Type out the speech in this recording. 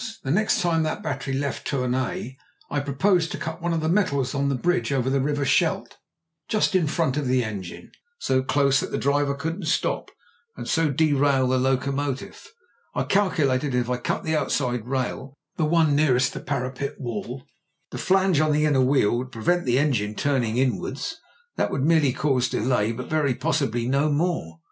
The next time that battery left Tournai I proposed to cut one of the metals on the bridge over the River Scheldt, just in front of the engine, so close that the driver couldn't stop, and so derail the locomotive. I calculated that if I cut the outside rail — ^the one nearest the parapet wall — the flange on the inner wheel would prevent the en gine turning inwards. That would merely cause de lay, but very possibly no more.